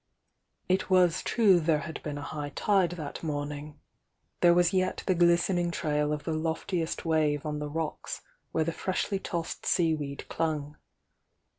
It wa^ true there had been a high tide that moming, there was yet the Sning trail of the loftiest wave on the rocks where the freshly tossed seaweed clung.